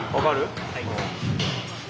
はい。